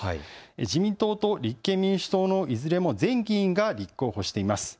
自民党と立憲民主党のいずれも前議員が立候補しています。